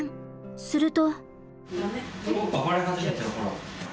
すると。